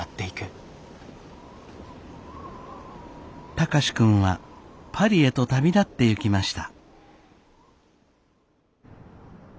貴司君はパリへと旅立ってゆきました。